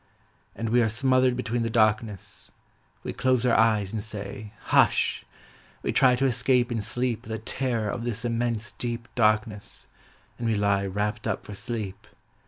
And we are smothered between the darkness, we close our eyes and say "Hush!" we try To escape in sleep the terror of this immense deep darkness, and we lie Wrapped up for sleep.